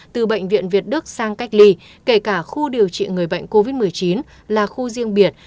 từ bệnh viện việt đức sang cách ly kể cả khu điều trị người bệnh covid một mươi chín là khu riêng biệt